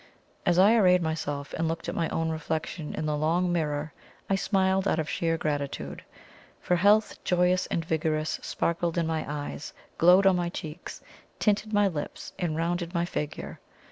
As I arrayed myself, and looked at my own reflection in the long mirror, I smiled out of sheer gratitude. For health, joyous and vigorous, sparkled in my eyes, glowed on my cheeks, tinted my lips, and rounded my figure.